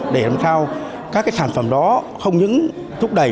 để làm sao các cái sản phẩm đó không những thúc đẩy